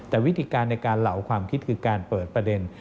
แต่วิธีการในการเหลาความคิดคือการเปิดประเด็น